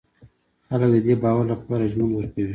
خلک د دې باور لپاره ژوند ورکوي.